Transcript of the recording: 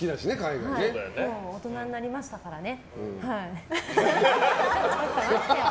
もう大人になりましたからね。